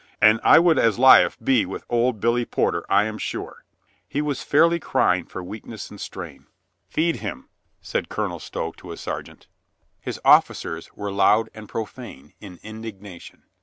And I would as lief be with old Billy Porter, I am sure." He was fairly crying for weakness and strain. "Feed him," said Colonel Stow to a sergeant. His COLONEL STOW IS SHOWN HIS DUTY 297 officers were loud and profane in indignation.